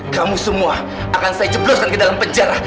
kamu semua akan saya jebloskan ke dalam penjara